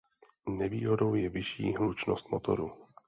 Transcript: Nevýhodou je vyšší hlučnost motoru.